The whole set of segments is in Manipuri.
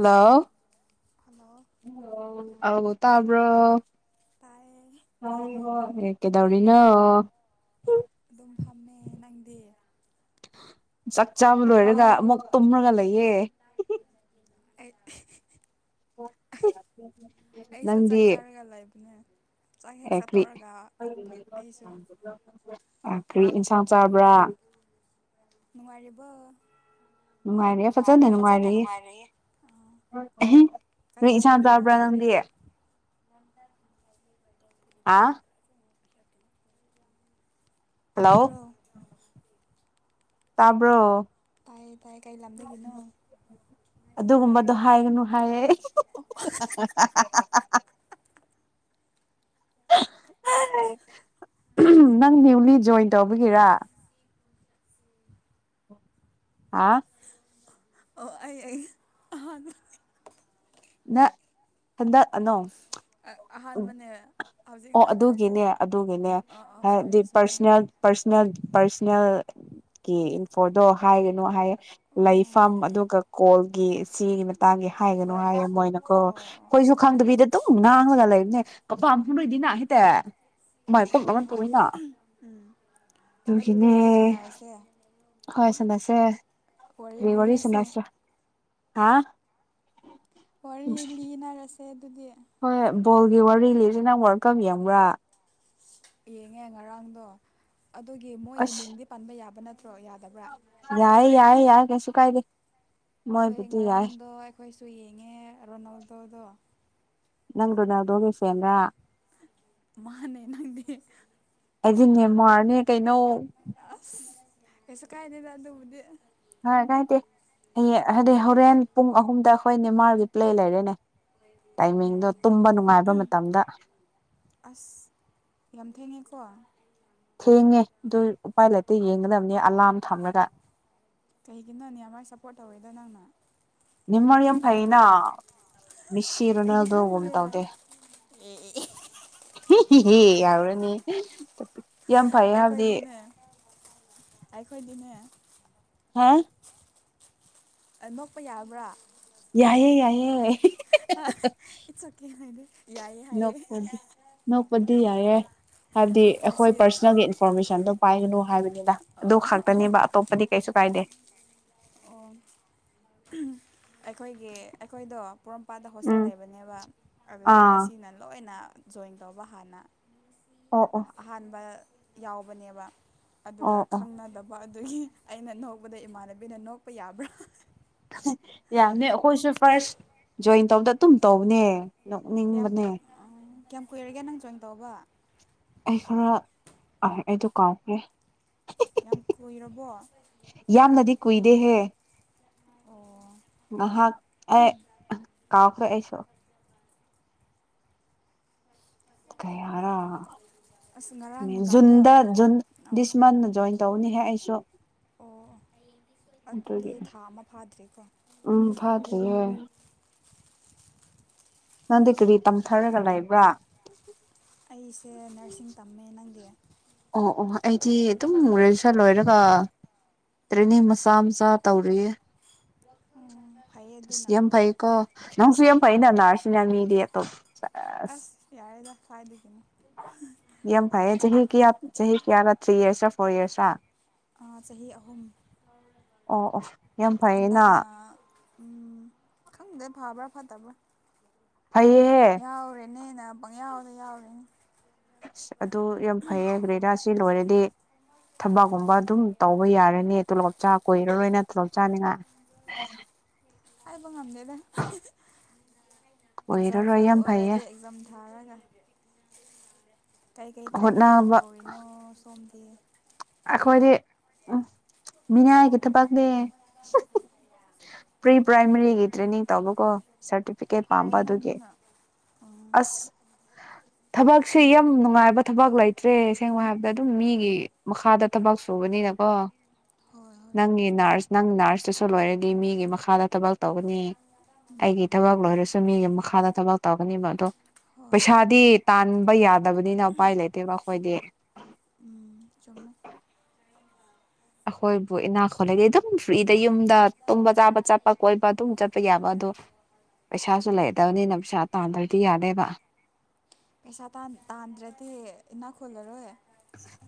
ꯍꯜꯂꯣ ꯍꯜꯂꯣ ꯑꯥꯎ ꯇꯥꯕ꯭ꯔꯣ ꯇꯥꯏꯌꯦ ꯑꯦ ꯀꯩꯗꯧꯔꯤꯅꯣ꯫ ꯑꯗꯨꯝ ꯐꯝꯃꯦ ꯅꯪꯗꯤ꯫ ꯆꯥꯛ ꯆꯥꯕ ꯂꯣꯏꯔꯒ ꯑꯃꯨꯛ ꯇꯨꯝꯃꯒ ꯂꯩ [unintelligible] [inaudible] [unintelligible] ꯑꯩꯁꯨ ꯆꯥꯛ ꯅꯪꯗꯤ ꯆꯥꯔꯒ ꯂꯩꯕꯅꯦ ꯆꯥꯛ ꯍꯦꯛ ꯑꯦ ꯀ꯭ꯔꯤ ꯆꯥꯠꯇꯣꯛꯔꯒ ꯑꯩꯁꯨ ꯀꯔꯤ ꯏꯟꯁꯥꯡ ꯆꯥꯕ꯭ꯔꯥ꯫ ꯅꯨꯡꯉꯥꯏꯔꯤꯕꯣ꯫ ꯅꯨꯡꯉꯥꯏꯔꯦꯍꯦ ꯐꯖꯅ ꯅꯨꯡꯉꯥꯏꯔꯤꯌꯦ ꯅꯨꯡꯉꯥꯏꯔꯦꯍꯦ ꯅꯨꯡꯉꯥꯏꯔꯤꯌꯦ ꯑꯥ ꯅꯣꯏ ꯀꯩ ꯀꯔꯤ ꯏꯟꯁꯥꯡ ꯂꯝꯗꯒꯤꯅꯣ ꯆꯥꯕ꯭ꯔꯥ ꯅꯪꯗꯤ ꯅꯪꯒꯤ ꯍꯥ꯫ ꯍꯜꯂꯣ ꯇꯥꯕ꯭ꯔꯣ꯫ ꯇꯥꯕ꯭ꯔꯣ ꯇꯥꯏꯌꯦ ꯇꯥꯏꯌꯦ ꯀꯩ ꯂꯝꯗꯒꯤꯅꯣ ꯑꯗꯨꯒꯨꯝꯕꯗꯣ ꯍꯥꯏꯒꯅꯨ ꯍꯥꯏꯔꯦ ꯑꯣ [unintelligible] [unintelligible] ꯖꯣꯏꯟ ꯇꯧꯕꯒꯤꯔꯥ꯫ [unintelligible] ꯑꯣ ꯑꯩ ꯑꯩ [unintelligible] ꯅ ꯍꯟꯗꯛ ꯑꯅꯣ ꯑꯍꯥꯟꯕꯅꯦ ꯑꯣ ꯍꯧꯖꯤꯛꯅ ꯑꯗꯨꯒꯤꯅꯦ ꯑꯗꯨꯒꯤꯅꯦ ꯑꯥ ꯑꯥ ꯍꯥꯏꯕꯗꯤ ꯁꯣꯏꯔꯦ ꯁꯣꯏꯔꯦ ꯄꯔꯁꯅꯦꯜ ꯄꯔꯁꯅꯦꯜ ꯄꯥꯔꯁꯅꯦꯜ ꯀꯤ ꯏꯟꯐꯣꯔꯇꯣ ꯍꯥꯏꯒꯅꯣ ꯍꯥꯏꯌꯦ꯫ ꯑꯣ ꯂꯩꯐꯝ ꯑꯗꯨꯒ ꯀꯣꯜ ꯒꯤ ꯁꯤꯒꯤ ꯃꯇꯥꯡꯒꯤ ꯍꯥꯏꯒꯅꯨ ꯍꯥꯏꯌꯦ꯫ ꯃꯣꯏꯅꯀꯣ ꯑꯣ ꯑꯣ ꯑꯩꯈꯣꯏꯁꯨ ꯑꯣ ꯑꯣ ꯈꯥꯡꯗ꯭ꯔꯤꯗ ꯗꯨꯝ ꯉꯥꯡꯉꯒ ꯂꯩ ꯍꯣꯏ ꯍꯣꯏ ꯎꯝ ꯑꯗꯨꯗꯤ ꯋꯥꯔꯤ ꯁꯥꯟꯅꯔꯁꯦ ꯋꯥꯔꯤ ꯂꯤꯔꯁꯦ [unintelligible] [unintelligible] ꯍꯥ꯫ ꯋꯥꯔꯤ ꯂꯤꯅꯔ ꯑꯗꯨꯗꯤ ꯍꯣꯏ ꯕꯣꯜꯒꯤ ꯋꯥꯔꯤ ꯂꯤꯁꯤ ꯅꯪ ꯋꯥꯜꯀꯞ ꯌꯦꯡꯕ꯭ꯔꯥ꯫ ꯌꯦꯡꯉꯦ ꯉꯔꯥꯡꯗꯣ꯫ ꯑꯗꯨꯒꯤ ꯃꯣꯏꯒꯤ ꯃꯤꯡꯗꯤ ꯄꯟꯕ ꯌꯥꯕ ꯅꯠ ꯌꯥꯢꯌꯦ ꯌꯥꯏꯌꯦ ꯌꯥꯏ꯫ ꯀꯩꯁꯨ ꯀꯥꯏꯗꯦ꯫ ꯍꯣꯏ ꯃꯣꯏꯕꯨꯗꯤ ꯌꯥꯏ ꯉꯔꯥꯡꯗꯣ ꯑꯩꯈꯣꯏꯁꯨ ꯌꯦꯡꯉꯦ ꯔꯣꯅꯥꯜꯗꯣꯗꯣ꯫ ꯅꯪ ꯔꯣꯅꯥꯜꯗꯣꯒꯤ ꯐꯦꯟ ꯂ꯫ ꯃꯥꯅꯦ ꯅꯪꯗꯤ꯫ ꯑꯩꯗꯤ ꯅꯦꯝꯃꯥꯔꯅꯦ ꯀꯩꯅꯣ꯫ ꯑꯁ ꯀꯩꯁꯨ ꯀꯥꯏꯗꯦꯗ ꯑꯗꯨꯕꯨꯗꯤ꯫ ꯀꯥꯏꯗꯦ ꯍꯌꯦꯡ ꯍꯥꯏꯗꯤ ꯍꯣꯔꯦꯟ ꯄꯨꯡ ꯑꯍꯨꯝꯗ ꯑꯩꯈꯣꯏ ꯅꯦꯃꯥꯔꯒꯤ ꯄ꯭ꯂꯦ ꯂꯩꯔꯦꯅꯦ ꯇꯥꯏꯃꯤꯡꯗꯣ ꯇꯨꯝꯕ ꯅꯨꯡꯉꯥꯏꯕ ꯃꯇꯝꯗ ꯑꯁ ꯌꯥꯝ ꯊꯦꯡꯉꯦꯀꯣ ꯊꯦꯡꯉꯦ ꯑꯗꯨ ꯎꯄꯥꯏ ꯂꯩꯇ ꯌꯦꯡꯒꯗꯕꯅꯦ ꯑꯂꯥꯔꯝ ꯊꯝꯂꯒ ꯀꯩꯒꯤꯅꯣꯅꯦ ꯑꯃ ꯁꯞꯄꯣꯔꯠ ꯇꯧꯋꯦꯗ ꯅꯪꯅ ꯅꯤꯡꯃꯔꯤꯝ ꯐꯅꯥ ꯃꯁ ꯏꯔꯣꯅꯣ ꯑꯩꯗꯤ ꯑꯗꯨ ꯎ ꯈꯪꯗꯦ ꯇꯥꯎꯗꯦ ꯍꯦ ꯌꯥꯎꯔꯅꯤꯄꯤ ꯌꯥꯝ ꯐꯩꯌꯦ ꯍꯥꯏꯕꯗꯤ ꯑꯩꯈꯣꯏꯗꯤꯅꯦ ꯑꯩꯈꯣꯏꯗꯤꯅꯦ ꯍꯥꯥ ꯅꯣꯛꯄ ꯌꯥꯕ꯭ꯔꯥ ꯌꯥꯏꯑꯦ ꯌꯥꯏꯑꯌꯦ ꯏꯠꯁ ꯑꯣꯀꯦ ꯍꯥꯏꯗꯤ ꯌꯥꯏꯌꯦ ꯍꯥꯏꯌꯦ ꯅꯣꯛꯄꯗꯤ ꯌꯥꯏꯑꯦ ꯍꯥꯏꯕꯗꯤ ꯑꯩꯈꯣꯏ ꯉꯁꯤ ꯑꯥ ꯄꯔꯁꯣꯅꯦꯜꯒꯤ ꯏꯟꯐꯣꯔꯃꯦꯁꯟꯗꯣ ꯄꯥꯏꯒꯅꯨ ꯍꯥꯏꯕꯅꯤꯅ ꯑꯗꯨ ꯑꯣ ꯈꯛꯇꯅꯦꯕ ꯑꯇꯣꯞꯄꯗꯤ ꯀꯩꯁꯨ ꯀꯥꯏꯗꯦ ꯑꯣ ꯑꯩꯈꯣꯏꯒꯤ ꯑꯩꯈꯣꯏꯗ ꯃꯄꯥꯗ ꯍꯣꯁꯇꯦꯜ ꯎꯝ ꯂꯩꯕꯅꯦꯕ ꯑꯗꯨꯗ ꯑꯥ ꯉꯁꯤꯅ ꯂꯣꯏꯅ ꯖꯣꯏꯟ ꯇꯧꯕ ꯍꯥꯟꯅ ꯑꯣ ꯑꯣ ꯑꯍꯥꯟꯕ ꯌꯥꯎꯕꯅꯦꯕ ꯑꯗꯨꯒ ꯑꯣ ꯑꯣ ꯈꯪꯅꯗꯕ ꯑꯗꯨꯒꯤ ꯑꯩꯅ ꯅꯣꯛꯧꯕꯗ ꯏꯃꯥꯟꯅꯕꯤ ꯕꯅ ꯅꯣꯛꯄ ꯌꯥꯕ꯭ꯔꯥ ꯌꯥꯝꯅꯤ ꯑꯩꯣꯏꯁꯨꯁꯨ ꯐꯁ ꯖꯣꯏꯟ ꯇꯧꯕꯗ ꯑꯗꯨꯝ ꯇꯧꯅꯦ ꯀꯌꯥꯝ ꯀꯌꯥꯝ ꯀꯨꯏꯔꯒꯦ ꯅꯪ ꯖꯣꯏꯟ ꯇꯧꯕ ꯑ ꯑꯩꯗꯨ ꯀꯥꯎꯈ꯭ꯔꯦ ꯌꯥꯝ ꯀꯨꯏꯔꯕꯣ ꯌꯥꯝꯅꯗꯤ ꯀꯨꯏꯗꯦꯍꯦ ꯑꯣ ꯉꯍꯥꯛ ꯑꯦ ꯀꯥꯎ ꯍꯣꯏ ꯑꯩꯁꯨ ꯀꯔ ꯑꯁ ꯉꯔꯥꯡ ꯅꯨꯡꯗꯥꯡꯗꯣ ꯖꯨꯟꯗ ꯑꯥ ꯖꯟꯁꯃꯥꯟꯟ ꯇꯧꯅꯤꯍꯦ ꯑꯩꯁꯨ ꯑꯣ ꯑꯗꯨꯗꯤ ꯊꯥ ꯑꯃ ꯐꯥꯗ꯭ꯔꯤꯀꯣ ꯎꯝ ꯐꯥꯗ꯭ꯔꯤꯌꯦ ꯅꯪꯗꯤ ꯀꯔꯤ ꯇꯝꯊꯔꯒ ꯂꯩꯕ꯭ꯔꯥ ꯑꯩ ꯁꯦ ꯅꯔꯁꯤꯡ ꯇꯝꯃꯦ ꯅꯪꯒꯤ ꯑꯣ ꯑꯣ ꯑꯩꯗꯤ ꯑꯗꯨꯝ ꯒ꯭ꯔꯦꯖꯨꯌꯦꯁꯟ ꯂꯣꯏꯔꯒ ꯇ꯭ꯔꯦꯅꯤꯡ ꯃꯆꯥ ꯃꯆꯥ ꯇꯧꯔꯤꯌꯦ ꯐꯩꯌꯦ ꯑꯗꯨꯅ ꯁꯤꯦꯝ ꯐꯥꯏ ꯀꯣ ꯅꯪꯁꯨ ꯌꯦ ꯌꯥꯝ ꯐꯩꯅ ꯅꯅꯥꯔꯁꯤ ꯃꯤꯗꯤ ꯌꯦ ꯇꯣ ꯑꯁ ꯌꯥꯔꯦꯗ ꯐꯥꯏꯗꯦ ꯀꯅꯤ ꯀ ꯆꯍꯤ ꯀꯌꯥꯔ ꯊ꯭ꯔꯤ ꯏꯌꯔꯁ ꯐꯣꯔ ꯏꯌꯔꯁꯥ ꯆꯍꯤ ꯑꯍꯨꯝ ꯑꯣ ꯑꯣ ꯌꯥꯝ ꯐꯩꯌꯦꯅ ꯍꯟꯗꯛꯅ ꯎꯝ ꯈꯪꯗꯦ ꯐꯕ꯭ꯔꯥ ꯐꯠꯇꯕ꯭ꯔꯥ ꯐꯩꯌꯦ ꯍ ꯅꯦ ꯌꯥꯎꯗ ꯌꯥꯎꯗꯅꯤ ꯑꯁ ꯑꯗꯨ ꯌꯥꯝ ꯐꯩꯌꯦ ꯒꯦꯅꯥꯁꯤ ꯂꯣꯏꯔꯗꯤ ꯊꯕꯛꯀꯨꯝꯕ ꯑꯗꯨꯝ ꯇꯧꯕ ꯌꯥꯔꯅꯤ ꯇꯣꯂꯣꯞ ꯆꯥ ꯀꯣꯏꯔꯔꯣꯏꯅ ꯇꯣꯂꯣꯞ ꯆꯥꯅꯤꯉꯥꯏ ꯑꯕ ꯑꯃꯗꯗ ꯑꯦꯛꯖꯥꯝ ꯑꯣꯏꯔꯔꯣꯏ ꯐꯦꯜ ꯌꯥꯝ ꯐꯩꯌꯦ ꯑꯣꯏꯔꯗꯤ ꯑꯦꯛꯖꯥꯝ ꯊꯥꯔꯒ ꯀꯩꯀꯩ ꯇ꯭ꯔꯦꯅꯤꯡ ꯍꯣꯠꯅꯕ ꯇꯧꯔꯤꯅꯣ ꯁꯣꯝꯗ ꯑꯩꯈꯣꯏꯗꯤ ꯎ ꯃꯤꯅꯥꯏꯒꯤ ꯊꯕꯛꯅꯦ ꯄ꯭ꯔꯤ ꯄ꯭ꯔꯥꯏꯃꯔꯤꯒꯤ ꯇ꯭ꯔꯦꯅꯤꯡ ꯇꯧꯕꯀꯣ ꯁꯥꯔꯇꯤꯐꯤꯀꯦꯠ ꯄꯥꯝꯕ ꯐꯔꯦꯅ ꯑꯗꯨꯒꯤ ꯑꯗꯨꯅ ꯎꯝ ꯑꯁ ꯊꯕꯛꯁꯦ ꯌꯥꯝ ꯅꯨꯡꯉꯥꯏꯕ ꯊꯕꯛ ꯂꯩꯇ꯭ꯔꯦ ꯁꯦꯡꯅ ꯍꯥꯏꯕꯗ ꯑꯗꯨꯝ ꯃꯤꯒꯤ ꯃꯈꯥꯗ ꯊꯕꯛ ꯁꯨꯕꯅꯤꯅꯀꯣ ꯍꯣꯏ ꯍꯣꯏ ꯅꯪꯒꯤ ꯆꯨꯝꯃꯦ ꯅꯔꯁ ꯅꯪ ꯅꯔꯁ ꯂꯣꯏꯔꯒꯤ ꯃꯤꯒꯤ ꯃꯈꯥꯗ ꯊꯕꯛ ꯇꯧꯒꯅꯤ ꯑꯩꯒꯤ ꯊꯕꯛ ꯂꯣꯏꯔꯁꯨ ꯃꯤꯒꯤ ꯃꯈꯥꯗ ꯊꯕꯛ ꯇꯧꯒꯅꯤ ꯃꯗꯣ ꯍꯣꯏ ꯍꯣꯏ ꯄꯩꯁꯥꯗꯤ ꯇꯥꯟꯕ ꯌꯥꯗꯕꯅꯤꯅ ꯎꯄꯥꯏ ꯂꯩꯇꯦꯕ ꯑꯩꯈꯣꯏꯗꯤ ꯎꯝ ꯆꯨꯝꯃꯦ ꯑꯩꯈꯣꯏꯕꯨ ꯏꯅꯥꯈꯣꯜꯂꯗꯤ ꯑꯗꯨꯝ ꯐ꯭ꯔꯤꯗ ꯌꯨꯝ ꯗ ꯇꯨꯝꯕ ꯆꯥꯕ ꯆꯠꯄ ꯀꯣꯏꯕ ꯑꯗꯨꯝ ꯆꯠꯄ ꯌꯥꯕ ꯑꯗꯣ ꯄꯩꯁꯥꯁꯨ ꯂꯩꯗꯕꯅꯤꯅ ꯄꯩꯁꯥ ꯇꯥꯟꯗ꯭ꯔꯗꯤ ꯌꯥꯅꯦꯦꯕ ꯄꯩꯁꯥ ꯇꯥꯟꯗ꯭ꯔꯗꯤ ꯏꯅꯥꯛ ꯈꯨꯜꯂꯔꯣꯏ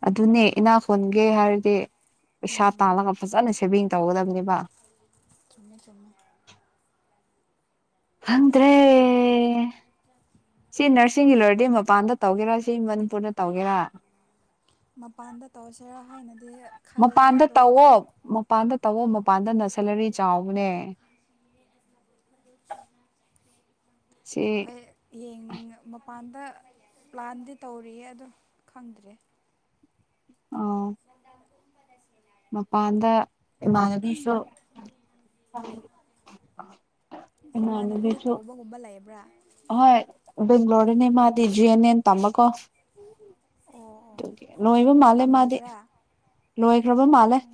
ꯑꯗꯨꯅꯦ ꯏꯅꯥ ꯈꯣꯟꯒꯦ ꯍꯥꯏꯔꯗꯤ ꯄꯩꯁꯥ ꯎꯝ ꯇꯂꯒ ꯐꯖ ꯁ ꯇꯧꯒꯗꯕꯅꯦꯕ ꯆꯨꯝꯃꯦ ꯆꯨꯝꯃꯦ ꯈꯪꯗ꯭ꯔꯦ ꯁꯤ ꯅꯔꯁꯤꯡꯒꯤ ꯂꯣꯏꯔꯗꯤ ꯃꯄꯥꯟꯗ ꯇꯧꯒꯦꯔꯥ ꯁꯤ ꯃꯅꯤꯄꯨꯔꯗ ꯇꯧꯒꯦꯔꯥ ꯃꯄꯥꯟꯗ ꯇꯧꯁꯤꯔꯥ ꯍꯥꯏꯅ ꯃꯄꯥꯟꯗ ꯇꯧꯑꯣꯣ ꯃꯄꯥꯟꯗ ꯇꯧꯕꯣꯞ ꯃꯄꯥꯟꯗ ꯅꯁꯦꯂꯔꯤ ꯆꯥꯎꯕꯅꯦ ꯁꯤ ꯍꯣꯏ ꯌꯦꯡ ꯃꯄꯥꯟ ꯑ ꯗ ꯄ꯭ꯂꯥꯟꯗꯤ ꯇꯧꯔꯤꯌꯦ ꯑꯗꯣ ꯈꯪꯗ꯭ꯔꯦ ꯑ ꯃꯄꯥꯟꯗ ꯏꯃꯥꯟꯅꯕꯤ ꯁꯨ [inaudible] ꯅꯃꯥꯟꯅꯕꯤ ꯇꯧꯕꯒꯨꯝꯕ ꯂꯩꯕ꯭ꯔꯥ ꯍꯣꯏ ꯕꯦꯡꯒ꯭ꯂꯣꯔꯗꯅꯦ ꯃꯥꯗꯤ ꯖꯤ ꯑꯦꯟ ꯑꯦꯟ ꯇꯝꯕ ꯀꯣ ꯑꯣ ꯑꯣ ꯑꯣ ꯃꯥꯜꯂꯦ ꯃꯥꯗꯤ ꯇꯝꯔꯤꯕ꯭ꯔꯥ ꯂꯣꯏꯈ꯭ꯔꯕ ꯃꯥꯜꯂꯦ ꯑꯣ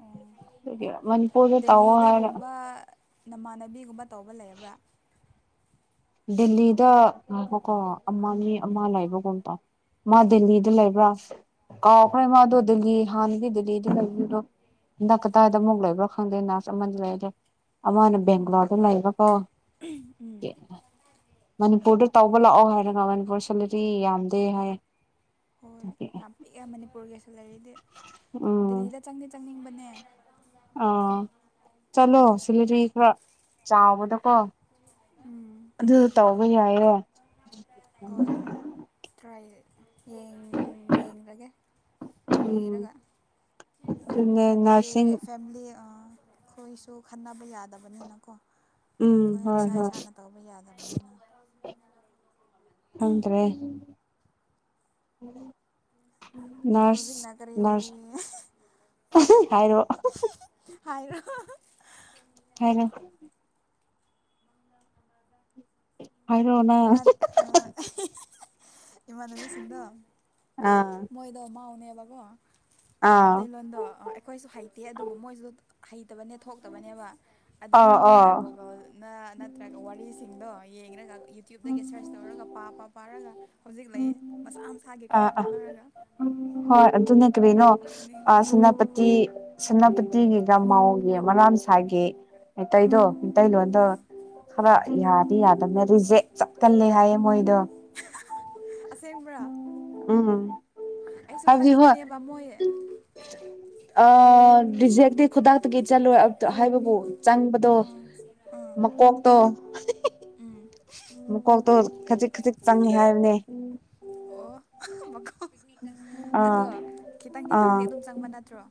ꯑꯣ ꯑꯗꯨꯒꯤ ꯃꯅꯤꯄꯨꯔꯗ ꯇꯧꯋꯣ ꯍꯥꯏꯔ ꯗꯦꯜꯂꯤꯗꯒꯨꯝꯕ ꯅꯃꯥꯟꯅꯕꯤꯒꯨꯝꯕ ꯇꯧꯕ ꯂꯩꯕ꯭ꯔꯥ ꯗꯦꯜꯂꯤꯗ ꯉꯥꯢꯈꯣ ꯀꯣ ꯑꯃꯅꯤ ꯑꯃ ꯂꯩꯕ꯭ꯔ ꯒꯨꯝ ꯇꯧ ꯃꯥ ꯗꯦꯜꯂꯤꯗ ꯂꯩꯕ꯭ꯔꯥ ꯀꯥꯎꯈ꯭ꯔꯦ ꯃꯥꯗꯣ [inaudible] ꯍꯟꯗꯛ ꯀꯗꯥꯏꯗ ꯑꯃꯨꯛ ꯂꯩꯕ꯭ꯔꯥ ꯈꯪꯗꯦ ꯅꯔꯁ ꯑꯃꯗꯤ ꯂꯩ ꯔꯦ ꯑꯃꯅ ꯎꯝ ꯕꯦꯡꯒ꯭ꯂꯣꯔꯗ ꯂꯩꯕꯀꯣ ꯎꯝ [inaudible] ꯂꯥꯛꯑꯣ ꯍꯥꯏꯔꯒ ꯃꯅꯤꯄꯨꯔ ꯁꯦꯂꯔꯤ ꯌꯥꯝꯗꯦ ꯍꯥꯏ ꯌꯦ ꯍꯣꯏ ꯌꯥꯝ ꯄꯤꯛꯑꯦ ꯃꯅꯤꯄꯨꯔꯒꯤꯁꯨ [inaudible] ꯅꯦ ꯎꯝ ꯑꯥ ꯆꯠꯂꯣ ꯁꯤꯂꯤꯇꯔꯤ ꯈꯔ ꯆꯥꯎꯕꯗꯀꯣ ꯎꯝ ꯑꯗꯨ ꯇꯧꯕ ꯌꯥꯏ ꯑꯌꯣ ꯍꯣꯏ ꯇ꯭ꯔꯥꯑꯦ ꯌꯦꯡ ꯌꯦꯡꯂꯥ ꯒꯦ ꯎꯝ ꯂꯣꯏꯔꯒ ꯑꯗꯨꯅꯦ ꯍꯥꯏꯕꯗꯤ ꯅꯔꯁꯤꯡ ꯐꯦꯃꯤꯂꯤ ꯑ ꯑꯩꯈꯣꯏꯁꯨ ꯈꯟꯅꯕ ꯌꯥꯗꯕꯅꯤꯅ ꯀꯣ ꯎꯝ ꯑꯩꯈꯣꯏ ꯍꯣꯏ ꯏꯁꯥ ꯍꯣꯏ ꯏꯁꯥꯅ ꯇꯧꯕ ꯌꯥꯗꯕꯅꯤꯅ ꯈꯪꯗ꯭ꯔꯦ [inaudible] ꯍꯧꯖꯤꯛꯅ ꯀꯔꯤ ꯍꯥꯏꯔꯣ [unintelligible] ꯍꯥꯏꯔꯣ ꯅꯪ [unintelligible] ꯏꯃꯥꯟꯅꯕꯤꯁꯤꯡꯗꯣ ꯑꯥ ꯃꯣꯏꯗꯣ ꯃꯥꯎ ꯅꯦ ꯂꯥ ꯒꯣ ꯑꯥ ꯃꯩꯇꯩꯅꯣꯟꯗꯣ ꯑꯩꯈꯣꯏꯁꯨ ꯍꯩꯇꯦ ꯑꯗꯨꯕꯨ ꯃꯣꯏꯁꯨ ꯍꯩꯇꯕꯅꯦ ꯊꯣꯛꯇꯕꯅꯦꯕ ꯑꯥ ꯑꯗꯨꯒ ꯑꯥ ꯃꯣꯏꯅ ꯒꯣꯒꯜꯅ ꯅꯠꯇ꯭ꯔꯒ ꯋꯥꯔꯤꯁꯤꯡꯗꯣ ꯌꯦꯡꯂꯒ ꯏ ꯗꯒꯤ ꯁꯔꯁ ꯇꯧꯔꯒ ꯄꯥ ꯄꯥꯔꯥꯡꯒ ꯍꯧꯖꯤꯛ ꯂꯩ ꯃꯁꯥ ꯃꯁꯥꯒꯤ ꯑꯥ ꯀꯣꯜ ꯑꯥ ꯇꯧꯅꯔꯒ ꯍꯣꯏ ꯑꯗꯨꯅ ꯀꯔꯤꯅꯣ ꯑꯥ ꯅꯣꯛꯅꯤꯡꯕꯅ ꯁꯦꯅꯥꯄꯇꯤ ꯁꯦꯅꯥꯄꯇꯤꯒꯤ ꯒꯃꯎꯒꯤ ꯃꯅꯥꯁꯥꯒꯤ ꯑꯥ ꯃꯩꯇꯩꯗꯣ ꯃꯤꯇꯩꯩꯇꯩꯂꯣꯟꯗ ꯑꯥ ꯈꯔ ꯎꯝ ꯌꯥꯗꯤ ꯌꯥꯗ ꯑꯗꯨꯅ ꯔꯤꯖꯦꯛ ꯆꯠꯀꯜꯂꯦ ꯍꯥꯏꯌꯦ ꯃꯣꯏꯗꯣ ꯑꯁꯦꯡꯕ꯭ꯔꯥ ꯎ ꯑꯩꯁꯨ ꯈꯟꯕꯅꯦꯕ ꯃꯣꯏ ꯑ ꯗꯤꯖꯦꯛꯛꯇ ꯈꯨꯗꯥꯛꯇꯒꯤ ꯆꯠꯂꯣꯏ ꯍꯥꯏꯕꯕꯨ ꯆꯪꯕꯗꯣ ꯎꯝ ꯎꯝ ꯃꯀꯣꯛꯇꯣ ꯎꯝ ꯀ ꯇꯣ ꯈꯖꯤꯛ ꯈꯖꯤꯛ ꯆꯪꯉꯦ ꯍꯥꯏꯕꯅꯦ ꯑꯣ ꯃꯀꯣꯛ ꯑꯥ ꯑꯗꯣ ꯈꯤꯇꯪ ꯑꯥ ꯈꯤꯇꯪꯗꯤ ꯑꯗꯨꯝ ꯆꯪꯕ ꯅꯠꯇ꯭ꯔꯣ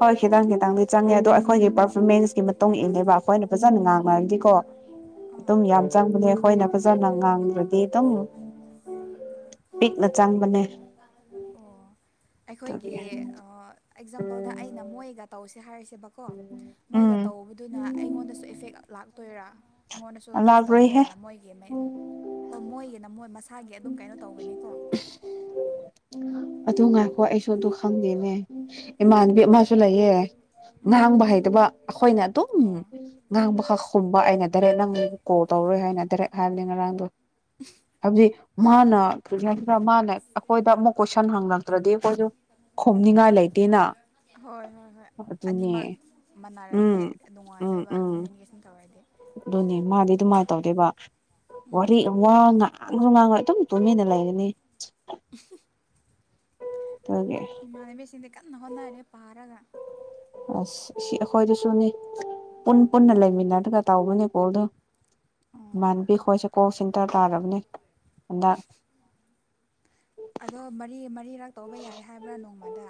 ꯍꯣꯏ ꯈꯤꯇꯪ ꯈꯤꯇꯪꯗꯤ ꯆꯪꯉꯦ ꯑꯗꯣ ꯑꯩꯈꯣꯏꯒꯤ ꯄꯔꯐꯣꯔꯃꯦꯟꯁꯀꯤ ꯇꯣꯡ ꯏꯜꯂꯦꯕ ꯑꯩꯈꯣꯏꯅ ꯐꯖꯅ ꯉꯥꯡꯉ ꯃꯥꯗꯤꯀꯣ ꯑꯥ ꯑꯗꯨꯝ ꯌꯥꯝ ꯆꯪꯕꯅꯦ ꯑꯩꯈꯣꯏꯅ ꯐꯖꯅ ꯉꯥꯡꯗ꯭ꯔꯗꯤ ꯑꯗꯨꯝ ꯄꯤꯛꯅ ꯆꯪꯕꯅꯦ ꯑꯣ ꯑꯩꯈꯣꯏꯒꯤ ꯑꯗꯨꯒꯤ ꯑꯦꯛꯖꯥꯝꯄꯜꯗ ꯑꯩꯅ ꯃꯣꯏꯒ ꯇꯧꯁꯦ ꯍꯥꯏꯔꯤꯁꯦ ꯁꯦꯕꯀꯣ ꯃꯣꯏꯒ ꯎꯝ ꯇꯧꯕꯗꯨꯅ ꯑꯩꯉꯣꯟꯗꯁꯨ ꯑꯦꯐꯦꯛ ꯇꯣꯏꯔꯥ ꯑꯩꯉꯣꯟꯗꯁꯨ ꯇꯆ ꯂꯥꯛꯔꯣꯏꯍꯦ ꯇꯧꯗꯣꯏꯔꯥ ꯃꯣꯏꯒꯤ ꯍꯣꯏ ꯃꯣꯏꯒꯤ ꯃꯣꯏ ꯃꯁ ꯊꯥꯒꯤ ꯑꯗꯨꯝ ꯀꯩꯅꯣ ꯇꯧꯒꯅꯤꯀꯣ ꯑꯗꯨ ꯉꯥꯏꯥꯛꯈꯣ ꯑꯩꯁꯨ ꯑꯗꯨ ꯈꯪꯗꯦꯅꯦ ꯏꯃꯥꯟꯕꯤ ꯑꯃꯁ ꯁꯨ ꯂꯩꯌꯦꯦ ꯎꯝ ꯉꯥꯡꯕ ꯍꯩꯗꯕ ꯑꯩꯈꯣꯏꯅ ꯑꯗꯨꯝ ꯑꯣ ꯉꯥꯡꯕꯈꯛ ꯃꯥ ꯑꯩꯅ ꯗꯥꯏꯔꯦꯛ ꯅꯪ ꯀꯣꯜ ꯇꯧꯔꯣꯏ ꯍꯥꯏꯅ ꯗꯥꯏꯔꯦꯛ ꯍꯥꯏꯕꯅꯤ ꯉꯔꯥꯡꯗꯣ ꯁꯕꯖꯤ ꯃꯥꯅ ꯀꯔꯤꯅꯁꯤꯗ ꯃꯥꯅ ꯑꯩꯈꯣꯏꯗ ꯑꯃꯨꯛ ꯀꯣꯏꯁꯟ ꯍꯪꯉꯛꯇ꯭ꯔꯗꯤ ꯑꯩꯈꯣꯏꯁꯨ ꯈꯣꯝꯅꯤꯡꯉꯥꯏ ꯂꯩꯇꯦꯅ ꯍꯣꯏ ꯍꯣꯏ ꯍꯣꯏ ꯑꯅꯤꯃꯛ ꯑꯗꯨꯅꯦ ꯃꯅꯔꯗꯤ ꯎꯝ ꯎꯝ ꯅꯨꯡꯉꯥꯏꯌꯦꯕ ꯎꯝ ꯀꯃ꯭ꯨꯅꯤꯀꯦꯁꯟ ꯇꯧꯔꯗꯤ ꯑꯗꯨꯅꯦ ꯃꯥꯗꯤ ꯑꯗꯨꯃꯥꯏꯅ ꯇꯧꯗꯦꯕ ꯎꯝ ꯋꯥꯔꯤ ꯋꯥꯅ ꯨꯃꯥꯡꯉꯣ ꯑꯗꯨꯝ ꯇꯨꯃꯤꯅ ꯂꯩꯒꯅꯤ [inaudible] ꯑꯗꯨꯒꯤ ꯏꯅꯦꯅꯕ ꯁꯤ ꯅꯉꯅꯔꯦ ꯄꯥꯔꯒ ꯑꯁ ꯁꯤ ꯑꯩꯈꯣꯏꯗꯁꯨꯅꯤ ꯄꯨꯟ ꯄꯨꯟꯅ ꯂꯩꯃꯤꯟꯅꯔꯒ ꯇꯧꯕꯅꯦ ꯀꯣꯜꯗ ꯏꯃꯥꯟꯕꯤꯈꯣꯏ ꯁ ꯀꯣꯛ ꯁꯤꯟꯇꯥ ꯇꯥꯔꯕꯅꯦ [inaudible] ꯑꯗꯣ ꯃꯔꯤ ꯃꯔꯤꯔꯛ ꯇꯧꯕ ꯌꯥꯏ ꯍꯥꯏꯕ꯭ꯔꯥ ꯅꯣꯡꯃꯗ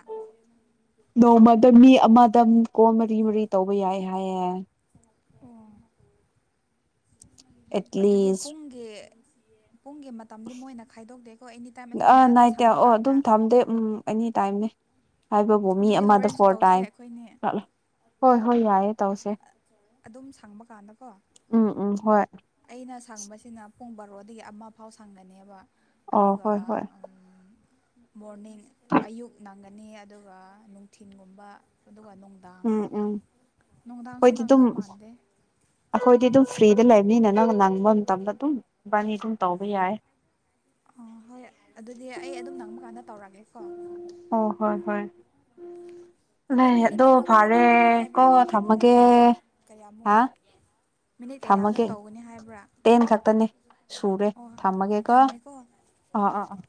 ꯗ ꯃꯤ ꯑꯃꯗ ꯀꯣ ꯃꯔꯤ ꯃꯔꯤ ꯇꯧꯕ ꯌꯥꯏ ꯍꯥꯏꯌꯦꯦ ꯑꯣ ꯑꯗꯨꯗꯤ ꯑꯦꯠꯂꯤꯁ ꯄꯨꯡꯒꯤ ꯄꯨꯡꯒꯤ ꯃꯇꯝꯗꯤ ꯃꯣꯏꯅ ꯈꯥꯏꯗꯣꯛꯇꯦꯀꯣ ꯑꯦꯅꯤꯇꯥꯏꯝ ꯑꯥ ꯑꯩꯈꯣꯏꯅ ꯑꯗꯨꯝ ꯅꯥꯏꯠꯇ ꯁꯪꯕ ꯑꯣ ꯀꯥꯟꯗ ꯑꯗꯨꯝ ꯊꯝꯗꯦ ꯎꯝ ꯑꯦꯅꯤ ꯇꯥꯏꯝꯅꯦ ꯍꯥꯏꯕꯕꯨ ꯃꯤ ꯑꯗꯨꯗꯤ ꯑꯃꯗ ꯍꯣꯔꯦꯟꯁꯨ ꯐꯣꯔ ꯇꯧꯁꯦ ꯑꯩꯈꯣꯏꯅꯤ ꯇꯥꯏꯝꯠꯂ ꯍꯣꯏ ꯍꯣꯏ ꯌꯥꯏꯌꯦ ꯇꯧꯁꯦ ꯑꯗꯨꯝ ꯁꯪꯕ ꯀꯥꯟꯗꯀꯣ ꯎꯝ ꯎꯝ ꯍꯣꯏ ꯑꯩꯅ ꯁꯪꯕꯁꯤꯅ ꯄꯨꯡ ꯕꯥꯔꯣꯗꯒꯤ ꯑꯃ ꯐꯥꯎ ꯁꯪꯒꯅꯦꯕ ꯑꯣ ꯑꯗꯨꯒ ꯍꯣꯏ ꯍꯣꯏ ꯃꯣꯔꯅꯤꯡ ꯑꯌꯨꯛ ꯅꯪꯒꯅꯤ ꯑꯗꯨꯒ ꯅꯨꯡꯊꯤꯤꯟꯒꯨꯝꯕ ꯑꯗꯨꯒ ꯅꯨꯡꯗꯥꯡ ꯎꯝ ꯎꯝ ꯅꯨꯡꯗꯥꯡꯁꯨ ꯑꯩꯈꯣꯏꯗꯤ ꯑꯗꯨꯝ ꯅꯥꯡꯗꯧ ꯃꯥꯟꯗꯦ ꯑꯩꯈꯣꯏꯗꯤ ꯑꯗꯨꯝ ꯐ꯭ꯔꯤꯗ ꯂꯩꯕꯅꯤꯅ ꯅꯪ ꯅꯪꯕ ꯃꯇꯝꯗ ꯑꯗꯨꯝ ꯕꯥꯅꯤ ꯑꯗꯨꯝ ꯇꯧꯕ ꯌꯥꯏ ꯑ ꯍꯣꯏ ꯑꯗꯨꯗꯤ ꯑꯩ ꯑꯗꯨꯝ ꯅꯪꯕ ꯀꯥꯟꯗ ꯇꯧꯔꯒꯦ ꯀ ꯑꯣ ꯍꯣꯏ ꯍꯣꯏ ꯂꯩ ꯃꯤꯅꯤꯠ ꯑꯗꯣ ꯇꯔꯥꯒꯨꯝꯕ ꯐꯔꯦ ꯇꯧꯒꯅꯤ ꯀꯣ ꯍꯥꯏꯕ꯭ꯔꯥ ꯀꯃꯥꯏꯅ ꯊꯝꯃꯒꯦ ꯍꯥꯏꯕ꯭ꯔꯥ ꯀꯌꯥꯃꯨꯛ ꯍꯥ ꯃꯤꯅꯤꯠ ꯀꯌꯥꯃꯨꯛ ꯊꯝꯃꯒꯦ ꯇꯧꯒꯅꯤ ꯍꯥꯏꯕ꯭ꯔꯥ ꯇꯦꯟ ꯈꯛꯇꯅꯦ ꯁꯨꯔꯦ ꯑꯣ ꯊꯝꯃꯒꯦꯀꯣ ꯊꯝꯃꯦꯀꯣ ꯑꯥ ꯑꯥ ꯑꯥ